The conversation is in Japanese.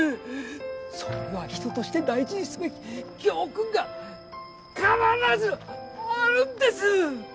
そこには人として大事にすべき教訓が必ずあるんです！